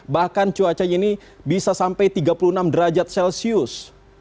bahkan cuacanya ini bisa sampai tiga puluh enam derajat celcius